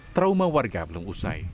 trauma warga belum usai